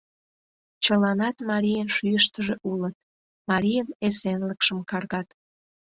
Чыланат марийын шӱйыштыжӧ улыт, марийын эсенлыкшым каргат.